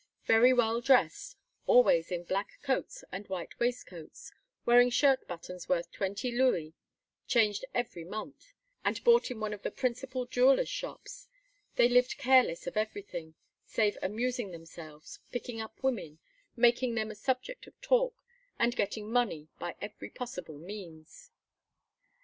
Very well dressed, always in black coats and white waistcoats, wearing shirt buttons worth twenty louis changed every month, and bought in one of the principal jewelers' shops, they lived careless of everything, save amusing themselves, picking up women, making them a subject of talk, and getting money by every possible means.